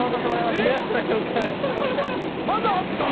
まだあった。